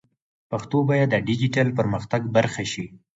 پښتو باید د ډیجیټل پرمختګ برخه شي.